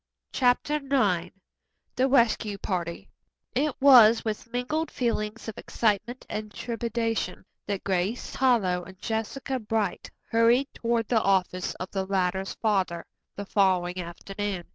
CHAPTER IX THE RESCUE PARTY It was with mingled feelings of excitement and trepidation that Grace Harlowe and Jessica Bright hurried toward the office of the latter's father the following afternoon.